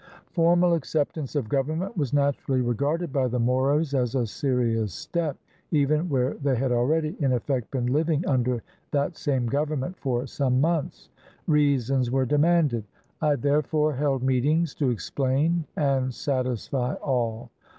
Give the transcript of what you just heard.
Formal acceptance of government was naturally re garded by the Moros as a serious step, even where they had already in effect been living under that same govern ment for some months. Reasons were demanded. I therefore held meetings to explain and satisfy all.